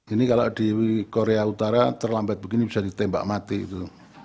ini kalau di korea utara terlambat begini bisa ditembak mati gitu